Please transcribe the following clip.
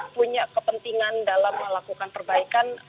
punya kepentingan dalam melakukan perbaikan